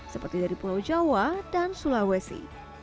seperti dari pulau jawa dan sulawesi